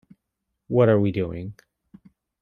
What are we doing?